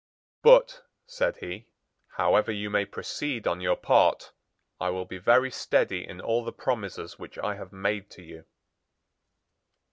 "But," said he, "however you may proceed on your part, I will be very steady in all the promises which I have made to you."